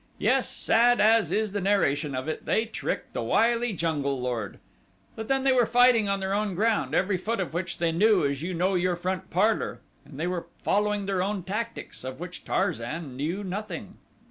Yes, sad as is the narration of it, they tricked the wily jungle lord. But then they were fighting on their own ground, every foot of which they knew as you know your front parlor, and they were following their own tactics, of which Tarzan knew nothing.